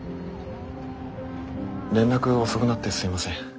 連絡遅くなってすいません。